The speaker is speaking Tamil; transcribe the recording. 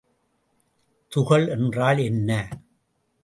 துகள் என்றால் என்ன?